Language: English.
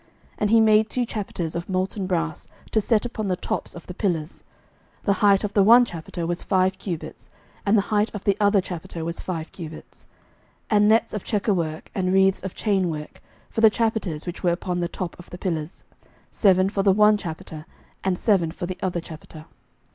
11:007:016 And he made two chapiters of molten brass, to set upon the tops of the pillars: the height of the one chapiter was five cubits, and the height of the other chapiter was five cubits: 11:007:017 And nets of checker work, and wreaths of chain work, for the chapiters which were upon the top of the pillars; seven for the one chapiter, and seven for the other chapiter.